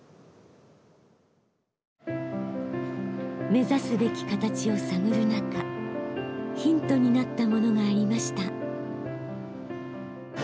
目指すべき形を探る中ヒントになったものがありました。